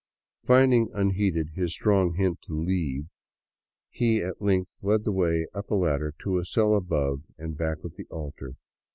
'^ Finding unheeded his strong hint to leave, he at length led the way up a ladder to a cell above and back of the altar.